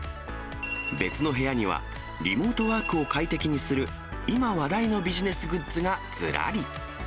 別の部屋には、リモートワークを快適にする今話題のビジネスグッズがずらり。